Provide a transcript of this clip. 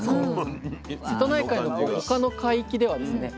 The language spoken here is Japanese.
瀬戸内海の他の海域ではですね